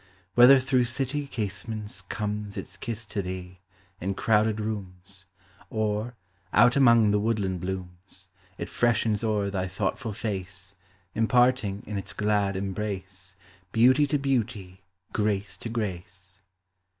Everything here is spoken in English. Whether through city casements comes Its kiss to thee, in crowded rooms, Or, out among the woodland blooms, It freshens o'er thy thoughtful face, Imparting, in its glad embrace, Beauty to beauty, grace to grace!